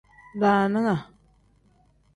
Daaninga.